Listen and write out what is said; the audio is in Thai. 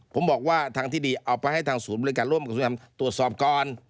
ผมบอกว่าทางที่ดีเอาไปให้ทางศูนย์บริการร่วมกระทรวงธรรมตรวจสอบก่อน